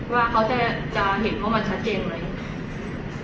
ว่าเขาจะเห็นว่ามันชัดเจนไหม